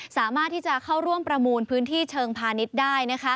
สามารถที่จะเข้าร่วมประมูลพื้นที่เชิงพาณิชย์ได้